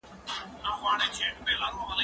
که وخت وي، امادګي نيسم!.